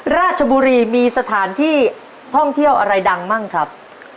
ราชบุรีมีสถานที่ท่องเที่ยวอะไรดังบ้างครับ